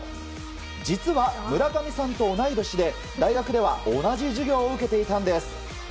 実は村上さんと同い年で大学では同じ授業を受けていたんです。